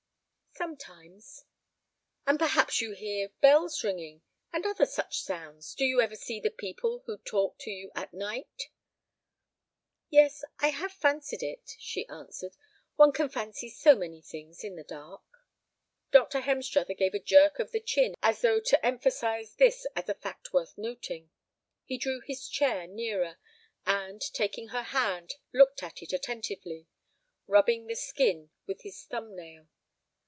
"Sometimes." "And perhaps you hear bells ringing, and other such sounds? Do you ever see the people who talk to you at night?" She maintained an indolent yet questioning silence. Dr. Hemstruther repeated the question. "Yes, I have fancied it," she answered; "one can fancy so many things in the dark." Dr. Hemstruther gave a jerk of the chin as though to emphasize this as a fact worth noting. He drew his chair nearer, and, taking her hand, looked at it attentively, rubbing the skin with his thumb nail.